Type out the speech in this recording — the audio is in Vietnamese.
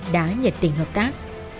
đã nhật tình hợp tác